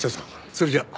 それじゃ。